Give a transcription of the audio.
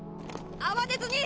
慌てずに！